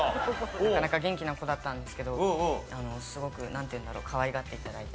なかなか元気な子だったんですけどすごくなんていうんだろうかわいがって頂いて。